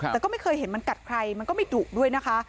แต่ก็ไม่เคยเห็นมันกัดใครมันก็ไม่ดุด้วยนะคะ